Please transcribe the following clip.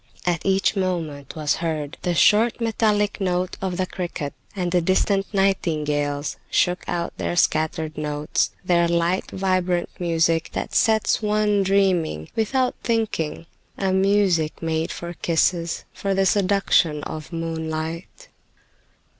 At each moment was heard the short, metallic note of the cricket, and distant nightingales shook out their scattered notes—their light, vibrant music that sets one dreaming, without thinking, a music made for kisses, for the seduction of moonlight.